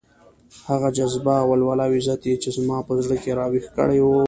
هغه جذبه، ولوله او عزت يې چې زما په زړه کې راويښ کړی وو.